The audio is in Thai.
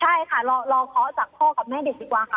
ใช่ค่ะรอเคาะจากพ่อกับแม่เด็กดีกว่าค่ะ